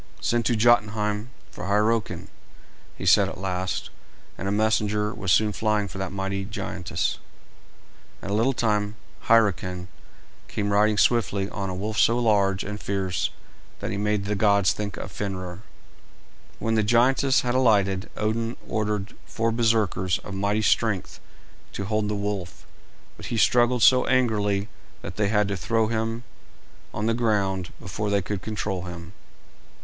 "Send to Jotunheim for Hyrroken," he said at last; and a messenger was soon flying for that mighty giantess. In a little time, Hyrroken came riding swiftly on a wolf so large and fierce that he made the gods think of Fenrer. When the giantess had alighted, Odin ordered four Berserkers of mighty strength to hold the wolf, but he struggled so angrily that they had to throw him on the ground before they could control him.